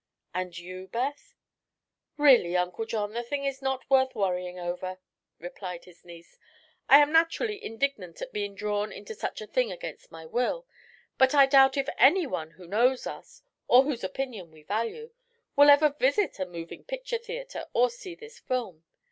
"And you, Beth?" "Really, Uncle John, the thing is not worth worrying over," replied his niece. "I am naturally indignant at being drawn into such a thing against my will, but I doubt if anyone who knows us, or whose opinion we value, will ever visit a moving picture theatre or see this film.